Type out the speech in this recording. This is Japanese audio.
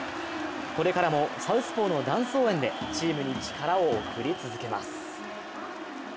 これからも「サウスポー」のダンス応援でチームに力を送り続けます。